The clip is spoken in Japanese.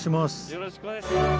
よろしくお願いします。